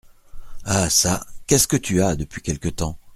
Ah ça ! qu’est-ce que tu as depuis quelque temps ?…